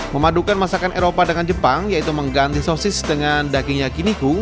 memadukan masakan eropa dengan jepang yaitu mengganti sosis dengan daging yakiniku